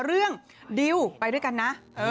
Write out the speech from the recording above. เรื่องดิวไปด้วยกันนะ